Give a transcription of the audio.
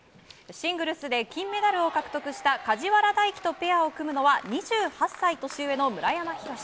シングルスで金メダルを獲得した梶原大暉とペアを組むのは２８歳年上の村山浩。